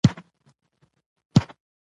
د لاندي غوښه ډیره خوندوره وي.